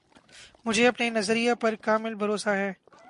مجھے اپنے نظریہ پر کامل بھروسہ ہے